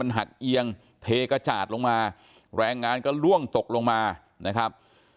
หักเอียงเทกระจาดลงมาแรงงานก็ล่วงตกลงมานะครับ